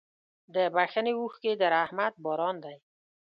د بښنې اوښکې د رحمت باران دی.